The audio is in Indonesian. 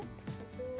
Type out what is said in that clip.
itu lima belas ribu